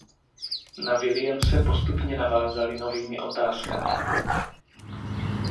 Na Williamse postupně navázali novými otázkami.